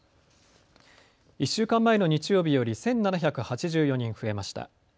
１週間前の日曜日より１７８４人増えました。